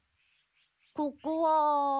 ここは。